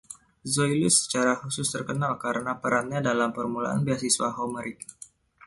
Zoilus secara khusus terkenal karena perannya dalam permulaan beasiswa Homeric.